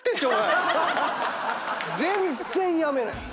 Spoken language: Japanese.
全然やめないし。